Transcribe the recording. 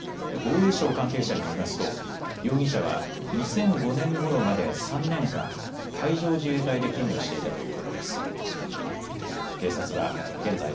防衛省関係者によりますと容疑者は２００５年ごろまで３年間海上自衛隊で勤務していたということです。